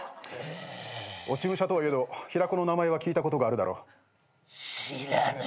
落ち武者とはいえど平子の名前は聞いたことがあるだろう？